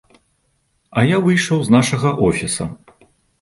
А я выйшаў з нашага офіса.